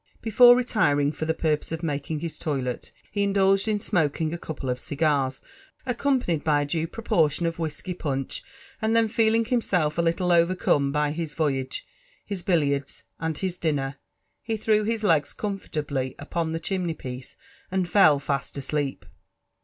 Before retiring for the purpose of making his toilet, he indulged in ^ aMoakifig a conpl^ of cig«rs', aeeompanied by a dae proportion of vfaiflkyrPMneh ; and then feeling himself a little overcome by his voy« age, his billiards, and his dinner, he threw Ma legs eomfartably upen the chimDey*ppiece and fell fast asleep.